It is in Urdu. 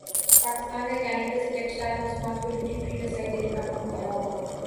پاکستان کاکینیڈا سے ٹیکسٹائل مصنوعات کو ڈیوٹی فری رسائی دینے کامطالبہ